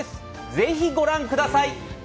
ぜひご覧ください！